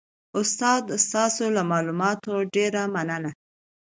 استاده ستاسو له معلوماتو ډیره مننه